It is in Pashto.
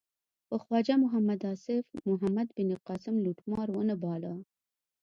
خو خواجه محمد آصف محمد بن قاسم لوټمار و نه باله.